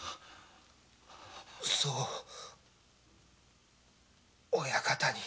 そう親方に。